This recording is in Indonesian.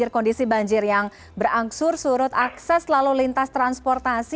kondisi banjir yang berangsur surut akses lalu lintas transportasi